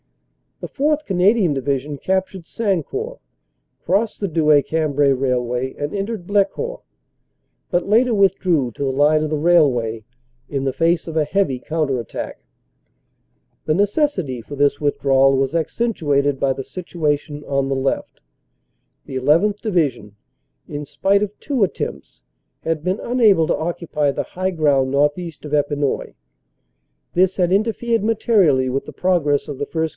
The 4th. Canadian Division captured Sancourt, crossed the Douai Cambrai Railway and entered Blecourt, but later withdrew to the line of the railway in the face of a heavy counter attack. The necessity for this withdrawal was accentuated by the situ ation on the left. The 1 1th. Division, in spite of two attempts, had been unable to occupy the high ground northeast of Epinoy. This had interfered materially with the progress of the 1st.